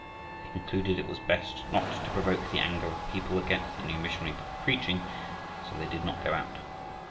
They concluded it was best not to provoke the anger of the people against the new missionary by preaching, so they did not go out.